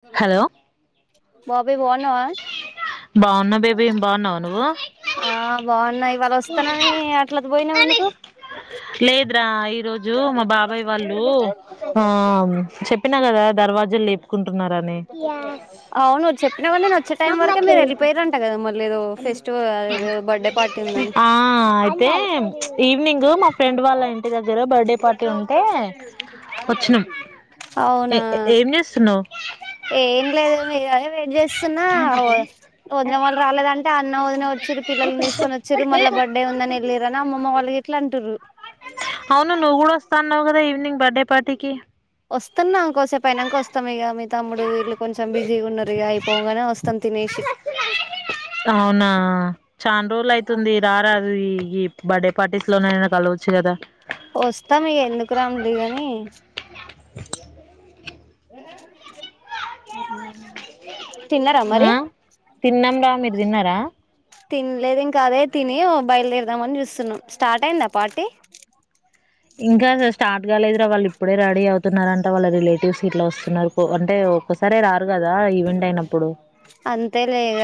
సర హలో బాబాయ్ బనావ బాగున్నా బేబీ బాగున్నావా నువ్వు ఆ బాగున్నాయి వాళ వస్తానని అట్ల పోయినాం ఎందుకు ఈ రోజు మా బాబయ్ వాళ్ళు ఆ చెప్పినా కదా దర్వా [unintelligible] అవును చెప్పినా [unintelligible] నేను వచ్చే టైం వరకే మీరు వెళ్ళిపోయారంట కదా మళ్ళీ ఏదో ఫెస్ట బర్డే పార్టీ ఉందని ఆ అయితే ఈవినింగ్ మా ఫ్రెండ్ వాళ్ళ ఇంటి దగ్గర బర్త్డే పార్టీ ఉంటే వచ్చినాం అవునా ఏం చేస్తున్నావు ఏం లేదు మీరు వెయిట్ చేస్తున్నా వదిన వాళ్ళు రాలేదంటే అన్న వదిన వచ్ పిల్లల్ని తీసుకని వచ్చిరు మళ్ళ బర్డే ఉందని వెళ్ళర అమ్మ వాళ్ళకి ఎట్లా అంటారు అవును నువ్ గుడ వస్తా అన్నావ్ కదా ఈవనింగ్ బర్డే పార్టీకిి వస్తున్నాంకోసేపోయినాక వస్తాం ఇక మీ తమ్ముడు వీళ్లు కొంచెం బిజీగా ఉన్నారు ఇక అయిపోగానే వస్తంది తినే [unintelligible] ఆ చాన్ రోజులు అయితుంది రార ఈ ఈ బర్డే పార్టీస్ లోననా కలవచ్చు కదా వస్తా మీగ ఎందుకు రాంలే గాని అ [inaudible] అ తిన్నార మరి తిన్నాం రా మీరు తిన్నార తినలేదు ఇంక అదే తిని బయలుదేరదామని చూస్తున్నాం స్టార్ట్ అయింది పాటి ఇంకా స్టార్ట్ కాలేదురా వాళ్ళు ఇప్పుడే రెడీ అవుతున్నారంట అంటే వాళ్ళ రిలేటివ్స్ ఇట్లా వస్తున్నారు అంటే ఒక్కసారే రారు కదా ఈవెంట్ అయినప్పుడు అంతే లే ఇగ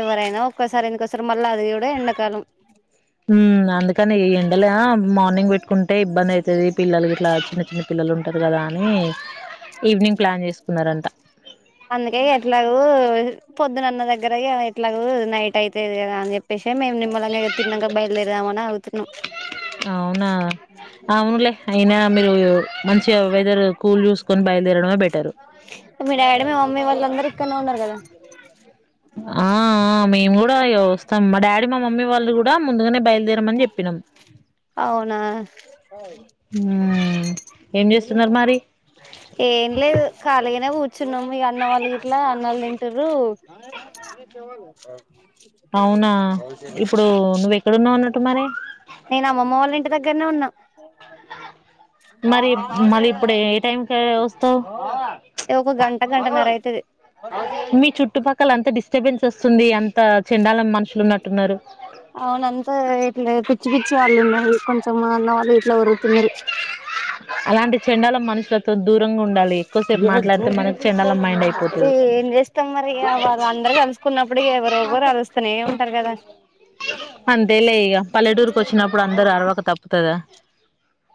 ఎవరైనా ఒక్కసారి ఎందుకోసారి మళ్ళీ అది కూడా ఎండాకాలం ఊ అందుకనే ఈ ఎండల మార్నింగ్ పెట్టుకుంటే ఇబ్బంది ఐతది పిల్లలు ఇట్లా చిన్న చిన్న పిల్లలు ఉంటారు కదా అని ఈవినింగ్ ప్లాన్ చేసుకున్నరంట అందుకే ఎట్లాగొ పొద్దునన్న దగ్గర ఎట్లగొ నైట్ అయితది కదా అని చెప్పేసి ఏ మేం నిమ్లంగ తిన్నంక బయల్దేరుదామని ఆగుతున్నం అవునా అవునులే అయినా మీరు మంచిగా వెదర్ కూల్ చూసుకొని బయలుదేరడమే బెట్టరు అంటే మీ మమ్మీ వాళ్ళందరూ ఇక్కడనే ఉన్నారు కదా ఆ ఆ మేము కూడా ఇగ వస్తాం మా డాడీ మా మమ్మీ వాళ్ళు కూడా ముందుగనే బయలుదేరమని చెప్పినం అవునా హ్మ్ ఏం చేస్తున్నారు మరి ఏం లేదు కాలిగనే కూ ర్చున్నాం ఇగ అన్న వాళ్ళ గిట్లా అన్నళ్ళు తింటురు అవునా ఇప్పుడు నువ్వెక్కడున్నవన్నట్టు మరి నేను అమ్మమ్మ వాళ్ళ ఇంటి దగ్గరనే ఉన్న మరి మళ్ళీ ఇప్పుడు ఏ టైంకి వస్తావు ఏ ఒక గంట గంటన్నర ఐతది మీ చుట్టుపక్కల అంత డిస్టర్బెన్స్ వస్తుంది అంత చెండాలం మనుషులు ఉన్నట్టున్నరు అవున అంతా ఇట్లా పిచ్చి పిచ్చి వాళ్ళు ఉన్నారు కొంచెం అన్నవాళ్ళు ఇట్లా ఒరుతున్నరు అలాంటి చెండాలం మనుషులతో దూరంగా ఉండాలి ఈ ఎక్కువసేపు మాట్లాడితే మనకు చెండాలం మైండ్ అయిపోతది ఏం చేస్తం మరి ఇగ వాళ్ళు అందరు కలుసుకున్నప్పుడిగ ఇగ ఎవరు ఒగరు అరుస్తనే ఉంటరు కదా అంతే లే ఇగ పల్లెటూరుకి వచ్చినప్పుడు అందరు అరవక తప్పుతదా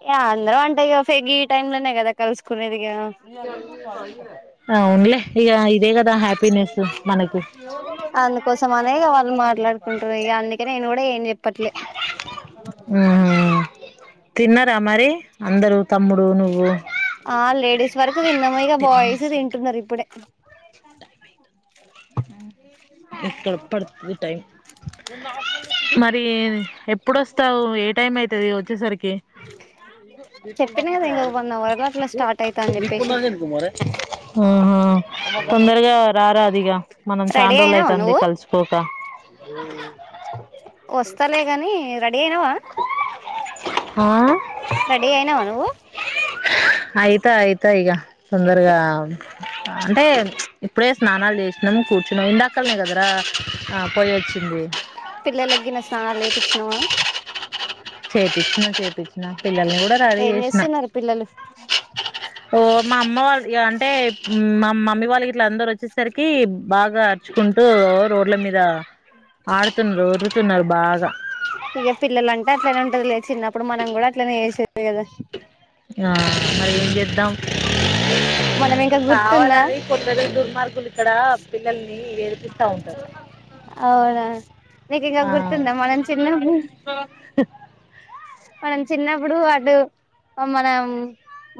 ఇగ అందరూ అంటే ఇగ ఫేగీ ఈ టైమ్లనే కదా కలుసుకునేదిక ఆవున్లే ఇగ ఇదే కదా హ్యాపీనెస్ మనకు అందుకోసం అనే ఇగ వాళ్ళు మాట్లాడుకుంటారు ఇగ అందుకే నేను కూడా ఏం చెప్ ప్పట్లే ఉ తిన్నరా మరి అందరు తమ్ముడు నువ్వు ఆ లేడీస్ వరకు తిన్నము ఇక బాయ్స్ తింటున్నరు ఇప్పుడే ఆ ఎక్కడ పడుతది టైం మర్ మరి ఎప్పుడస్తావు ఏ టైం ఐతది వచ్చేసరికి చెప్పినా కదా ఇంకొక వన్ అవర్ లో అట్లా స్టార్ట్ అయితా అని చెప్పేసి ఆహా తొందరగా రారాదిగా మనం రెడీ చాండ్రోలు అయినావా ఐతంది నువ్వు కలుసుకోక వస్తలే గని రెడీ అయినవా ఆ రెడీ అయినవా నువ్వు అయిత అయిత ఇగ తొందరగా అంటే ప్చ్ ఇప్పుడే స్నానాలు చేసినం కూర్చున్నం ఇందాకల్నేగదరా ఆ పోయోచ్చింది పిల్లలగిన సనాలు చేపిచినవా చేపిచిన చేపిచిన పిల్లల్ని కూడా రెడీ ఏం చేసిన చేస్తున్నారు పిల్లలు ఓ మా అమ్మ వాళ్ళు ఇగ అం టే మా మమ్మీ వాళ్ ఇగ ఇట్ల అందరు వచ్చేసరికి బాగా అర్చుకుంటూ అగో రోడ్ల మీద ఆడుతున్నారు ఓర్ తున్నరు బాగా ఇక పిల్లలు అంటే అట్లనే ఉంటది లే చిన్నప్పుడు మనం కూడా అట్లనే చేసేది కదా ఆ మరి ఏం చేద్దాం మనం ఇంకా గుర్తుందా కావాలని కొందరు దుర్మార్గులు ఇక్కడ పిల్లల్ని ఏడిపిస్తా ఉంటారు అవునా నీకు ఇంకా ఆ గుర్తుందా మనం చిన్నపుడు [unintelligible] మనం చిన్నప్పుడు అటు మనం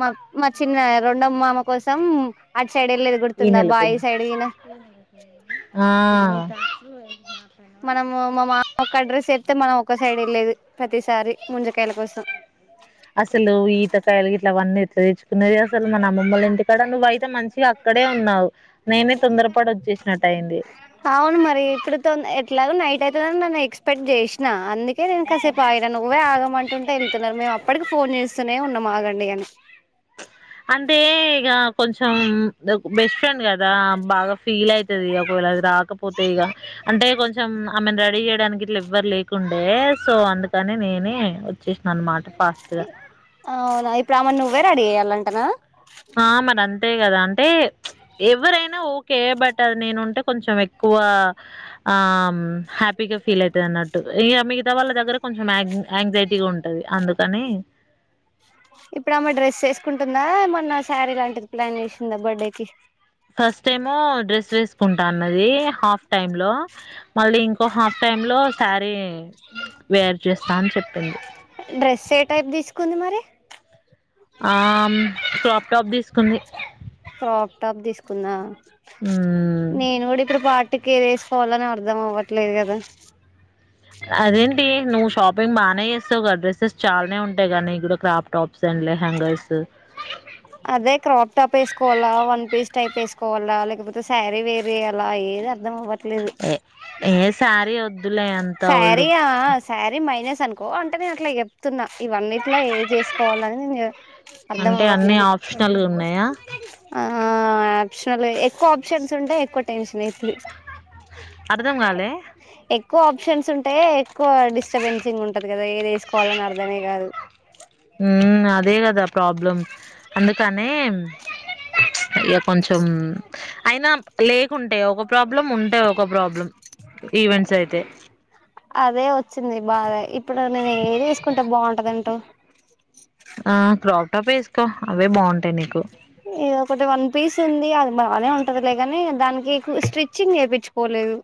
మా మా చిన్న రెండో మామ కోసం సైడ్ వెళ్ళేది ఈ గుర్తుందా నెల పై బాయి సైడ్ గిన ఆ మనము మా మామ ఒక అడ్రస్ చెప్తే మనం ఒక సైడ్ వెళ్లేది ప్రతిసారి ముంజకాయల కోసం అసలు ఈతకాయలు ఇట్లావన్నీ ఎట్ తెచ్చుకునేది, అసలు మన అమ్మమ్మలు ఇంటి అక్కడ నువ్వయితే మంచిగా అక్కడే ఉన్నావు నేనే తొందరపడీ వచ్చేసినట్టు అయింది. అవును మరి ఇప్పుడుతో ఎట్లాగో నైట్ అవుతుందని నేను ఎక్స్పెక్ట్ చేసిన. అందుకే నేను కాసేపు ఆగిన నువ్వే ఆగమంటుంటే వెళ్తున్నారు. మేము అప్పటికి ఫోన్ చేస్తూనే ఉన్నాం. ఆగండి అని అంటే ఇక కొంచెం బెస్ట్ ఫ్రెండ్ కదా బాగా ఫీల్ అయితది ఒకవేళ. రాకపోతే ఇక అంటే కొంచెం ఆమెను రెడీ చేయడానికి, ఇట్లా ఎవ్వరు లేకుండే సో అందుకు కాని నేనే వచ్చేసిన అనమాట ఫాస్ట్ గా అవునా ఇప్పుడు ఆమెను నువ్వే రెడీ చేయాలంటానా ఆ మరి అంతే కదా అంటే ఎవరైనా ఓకే, బట్ అది నేనుంటే కొంచెం ఎక్కువ ఆ ఆమ్ హ్యాపీ హ్యాపీ గా ఫీల్ అవుతుంది అన్నట్టు ఇక మిగతా వాళ్ళ దగ్గర కొంచం యాంగ్జైటీగా ఉంటది అందుకని. ఇప్పుడు ఆమె డ్రెస్ వేసుకుంటుందా ఏమన్నా శారీ లాంటిది ప్లాన్ చేసిందా బర్త్డేకి. ఫస్ట్ ఏమో డ్రెస్ వేసుకుంటాన్నది. హాఫ్ టైమ్ లో మళ్ళీ ఇంకో హాఫ్ టైమ్ లో శారీ వేర్ చేస్తా అని చెప్పింది డ్రెస్ ఏ టైప్ తీసుకుంది మరి. ఆ క్రాప్ టాప్ తీసుకుంది. క్రాప్ టాప్ తీసుకున్నా. మ్మ్ నేను కూడా ఇప్పుడు పార్టీ కి ఏదేసి ఫోన్లోనే అర్ధం అవ్వట్లేదు కదా. అదేంటి నువ్వు షాపింగ్ బాగానే చేస్తావు కదా! డ్రస్సెస్ చాలానే ఉంటాయి. కానీ కూడా క్రాఫ్ట్ టాప్స్ అం లెహంగాస్ అదే క్రాప్ టాప్ వేసుకోవాలా, వన్ పీస్ టైప్ వేసుకోవాలా, లేకపోతే శారీ వేరీ అలా ఏద అర్థం అవ్వట్లేదు ఏ ఏ శారీ వద్దులే అంత ఓల్డ్ శారీ ఆ శారీ మైనస్ అనుకో అంటే నేను అట్లా చెప్తున్నా ఈ వన్నింట్లో ఏది వేసుకోవాలని నేను అర్ధం అంటే అన్ని అవ్వట్లేని. ఆప్షనల్గా ఉన్నాయా ఆ యాక్చువలి, ఎక్కువ ఆప్షన్స్ ఉంటే ఎక్కువ టెన్షన్ ఏ. [unintelligible] ఎ అర్ధం కాలే ఎక్కువ ఆప్షన్స్ ఉంటె, ఎక్కువ డిస్టర్బెన్సింగ్ ఉంటది. కదా ఏది వేసుకోవాలని అర్ధమే కాదు హు అదే కదా ప్రాబ్లం అందుకనే. [inaudible] మ్ అయినా లేకుంటే ఒక. ప్రాబ్లమ్ ఉంటాయి ఒక ప్రాబ్లం ఈవెంట్స్ అయితే. అదే వచ్చింది బాగా ఇప్పుడు నేను ఏది ఏసుకుంటే బాగుంటది అంటావ్? ఆ క్రాప్ టాప్ వేసుకో అవే బాగుంటాయి నీకు. ఏదో ఒకటీ వన్ పీస్ ఉంది అది బానే ఉంటది లేగాని దానికి స్టిచ్చింగ్ వేయించుకోలే ఏవ్.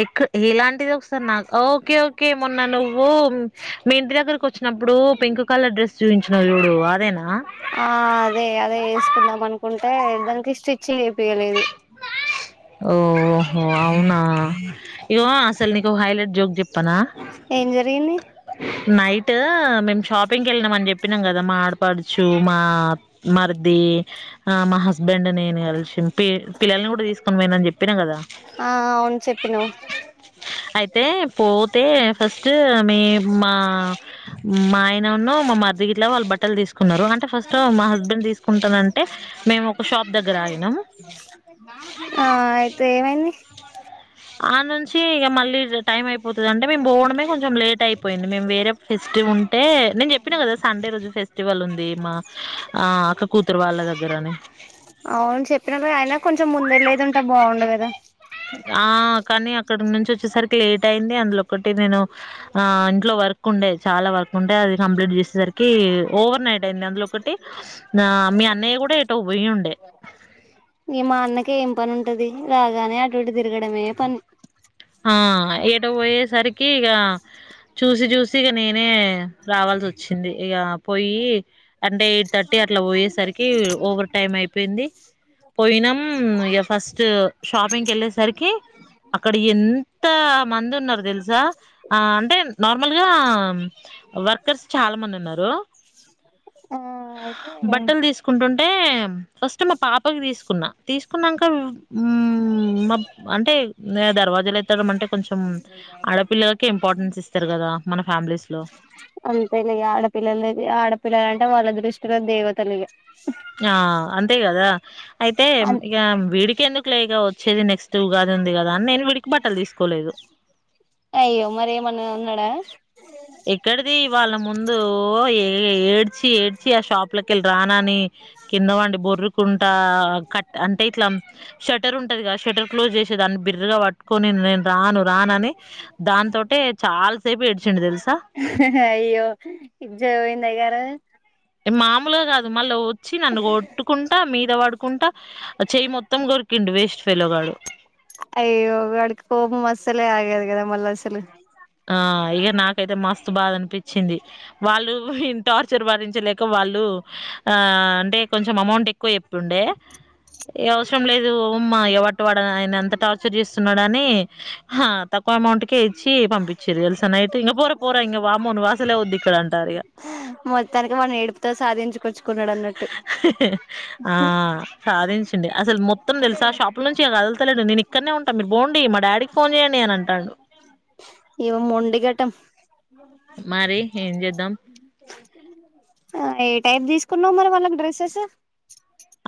ఎక్క ఇలాంటిది ఒకసారి నాకు ఓకే ఓకే మొన్న నువ్ ఓ మీ ఇంటి దగ్గరకు వచ్చినప్పుడు పింక్ కలర్ డ్రెస్ చూయించినవు చూడు అదేనా ఆ అదే అదే వేసుకుందాం అనుకుంటే. దానికి స్టిచ్చింగ్ వే. ఓహో! అవునా? ఇగో అసలు నీకు హైలైట్ జోక్ చెప్పనా ఏం జరిగింది నైట్ మేము షాపింగ్ కి వెళ్ళినామ్ అని చెప్పిన కదా మా ఆడపడుచు, మా మర్ది. ఆ మా హస్బెండ్ నేను కలిసి పి పిల్లల్ని కూడా తీసుకు పోయిన అని చెప్పినా కదా ఆ అవును చెప్పినవ్ అయితే పోతే ఫస్ట్ మీ మా మా ఆయనను మమ్ మర్ది గిట్లా వాళ్ళు బట్టలు తీసుకున్నారు. అంటే ఫస్ట్ మా హస్బెండ్ తీసుకుంటానంటే మేము ఒక షాప్ దగ్గర ఆగినం. అమ్మ నువ్ అడు ఆడ్ నుంచి ఇక మళ్ళీ టైం అయిపోతది అంటే మేము పోవడమే కొంచెం లేట్ అయిపోయింది మేము వేరే ఫెస్టి టి ఉంటే నేను చెప్పిన కదా సండే రోజు ఫెస్టివల్ ఉంది మా ఆ అక్క కూతురు వాళ్ళ దగ్గర అని అవును చెప్పినవులే అయినా కొంచెం ముందు వెళ్ళేదుంటే బాగుండు కదా ఆ కానీ అక్కడి నుంచి వచ్చేసరికి లేట్ అయింది అందులో ఒకటి నేను ఆ ఇంట్లో వర్క్ ఉండే చాలా వర్క్ ఉండే అది కంప్లీట్ చేసేసరికి ఓవర్ నైట్ అయింది అందులో ఒకటి ఆ మీ అన్నయ్య కూడా ఎటో పోయి ఉండే ఇగ మా అన్నకే ఏం పని ఉంటది రాగానే అటుఇటు తిరగడమే పని ఆ ఏటో పోయేసరికి ఇగ చూసి చూసి ఇగ నేను నే రావాల్సి వచ్చింది ఇక పోయి అంటే ఎయిట్ థర్టీ అట్లా పోయేసరికి ఓవర్ టైమ్ అయిపోయింది పోయినాం ఇక ఫస్ట్ షాపింగ్ కి వెళ్ళేసరికి అక్కడ్ ఎంత మంది ఉన్నారు తెలుసా ఆ అంటే నార్మల్గా వర్కర్స్ చాలా మంది ఉన్నారు ఆ అయితే బట్టలు తీసుకుంటుంటే చూన్ మా పాపకి తీసుకున్నా తీసుకున్నాక ఆమ్ మా అంటే నే దర్వాజాలు ఎత్తడం అంటే కొంచెం ఆడపిల్లలకే ఇంపార్టెన్స్ ఇస్తారు కదా మన ఫ్యామిలీస్ లో అంతేలే ఆడపిల్లలది ఆడపిల్లలంటే వాళ్ళ దృష్టిలో దేవతలు ఇగ నా అంతే కదా అయితే అన్ ఇక వీడికి ఎందుకు క్లేగా వచ్చేది నెక్స్ట్ ఉగాది ఉంది కదా అని నేను వీడికి బట్టలు తీసుకోలేదు అయ్యో మరి ఏమన్నా ఉన్నడా ఎక్కడిది వాళ్ళ ముందు ఓ ఏ ఏడ్చి ఏడ్చి ఆ షాప్ పులకెళ్ళి రానని కింద వండి బొర్రుకుంటా కట్ అంటే ఇట్లా షేటర్ ఉం టర్ ఇగ షేటర్ క్లోజ్ చేసే దాన్ని బిర్రుగా పట్టుకొని నేను రాను రాను అని దాంతోటే చార్ ఎల్ సేపు ఏడ్చిండు తెలుసు అయ్యో ఇజ్జత్ పోయిందా ఇగ ఆడ ఎన్ మామూలుగా కాదు మళ్ళా వచ్చి నన్ను కొట్టుకుంటా మీద పడుకుంటా ఆ చేయి మొత్తం కొరికిండు వేస్ట్ ఫెలోగాడు లే ఆగేది కదా మల్ల అసలు ఆ ఇక నాకైతే మస్తు బాధ అనిపించింది వాళ్ళు ఓ విహిన్ టార్చర్ భరించలేక వాళ్ళు ఆ అంటే కొంచెం అమౌంట్ ఎక్కువ చెప్పిండే ఏ అవసరం లేదు అమ్మా ఎవట్టు వాడ ఆయన ఎంత టార్చర్ చేస్తున్నాడని ఆహ్ తక్కువ అమౌంట్ కే ఇచ్చి పంపి చిరు తెలుసా నైట్ ఇక పోరా పోరా ఇక వామ్మో నువ్వు అసలే వద్దు ఇక్కడ అంటారు ఇగ మొత్తానికి వాని ఏడుపుతో సాధించుకొచ్చుకున్నాడు అన్నట్టు ఆహ్ సాధించు తెంది అసలు మొత్తం తెలుసా షాపుల నుంచి ఇగ కదులుతలేడు నేను ఇక్కనే ఉంటా మీరు పోండి మా డాడీకి ఫోన్ చేయండి అని అంటాండు ఇగో మొండిఘటం మరి ఏం చేద్దాం ఆ ఏ టైప్ తీసుకున్నావు మరి వాళ్ళకు డ్రెస్సెస్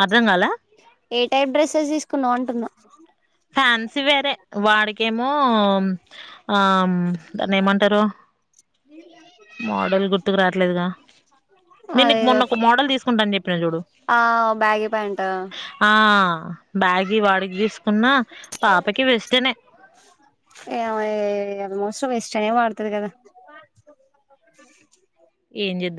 అర్ధం గాల ఏ టైప్ డ్రెస్సెస్ తీసుకున్నావు అంటున్నా ఫ్యాన్సీ వేరే వాడికేమో ఆమ్ దాన్ని ఏమంటారు మోడల్ గుర్తుకు రాట్లేదుగా నేను నీకు అదేదో మొన్న ఒక మోడల్ తీసుకుంటా అని చెప్పిన చూడు ఆ బ్యాగి ప్యాంట్ ఆ బ్యాగీ వాడి గీసు ఏమయ్యే ఏమోస్ట్ సో వెస్ట్ అయ్యే వాడుతది కదా ఏ జింద